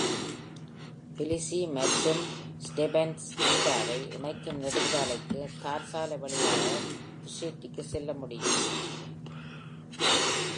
பிலிசி மற்றும் ஸ்டெபன்ட்ஸ்மின்டாவை இணைக்கும் நெடுஞ்சாலைக்கு தார் சாலை வழியாக துஷேட்டிக்கு செல்ல முடியும்.